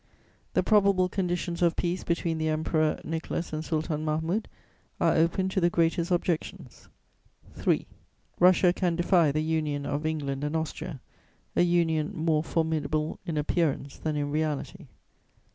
The probable conditions of peace between the Emperor Nicholas and Sultan Mahmud are open to the greatest objections. "3. Russia can defy the union of England and Austria, a union more formidable in appearance than in reality.